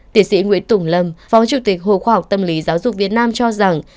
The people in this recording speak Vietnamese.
tiến sĩ nguyễn tùng lâm phó chủ tịch hồ khoa học tâm lý giáo dục việt nam cho rằng